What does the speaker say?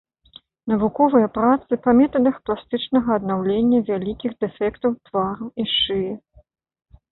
Навуковыя працы па метадах пластычнага аднаўлення вялікіх дэфектаў твару і шыі.